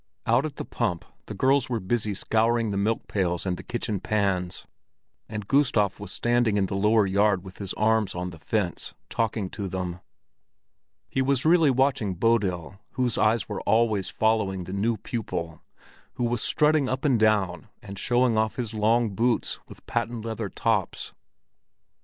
Out at the pump the girls were busy scouring the milkpails and kitchen pans; and Gustav was standing in the lower yard with his arms on the fence, talking to them. He was really watching Bodil, whose eyes were always following the new pupil, who was strutting up and down and showing off his long boots with patent leather tops.